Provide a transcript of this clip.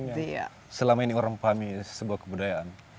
yang selama ini orang pahami sebuah kebudayaan